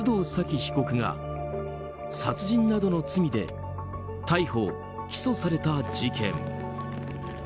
被告が殺人などの罪で逮捕・起訴された事件。